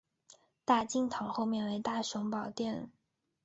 大经堂后面为大雄宝殿。